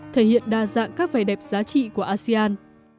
thể hiện đa dạng các vẻ đẹp giá trị của asean